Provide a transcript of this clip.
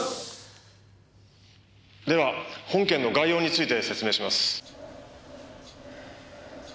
では本件の概要について説明します。